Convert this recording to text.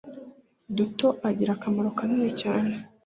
duto agira akamaro kanini cyane.